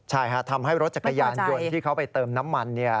ใช่ค่ะทำให้รถจักรยานยนต์ที่เขาไปเติมน้ำมัน